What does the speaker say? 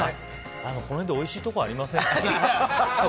この辺でおいしいところありませんか？